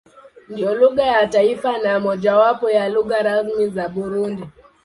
Ndiyo lugha ya taifa na mojawapo ya lugha rasmi za Burundi.